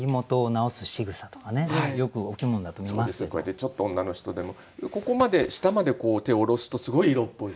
ちょっと女の人でもここまで下まで手を下ろすとすごい色っぽい。